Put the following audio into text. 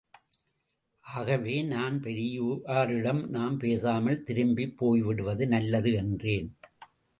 ஆகவே, நான் பெரியாரிடம், நாம் பேசாமல் திரும்பிப் போய்விடுவது நல்லது என்றேன்.